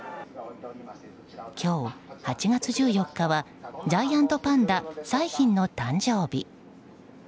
今日、８月１４日はジャイアントパンダ彩浜の誕生日。